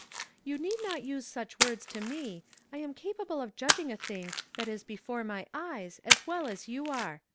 " You need not use such words to me. I am capable of judging a tiling tliat is before my eyes as well as you are.